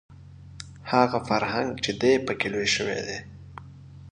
هغه فرهنګ چې دی په کې لوی شوی دی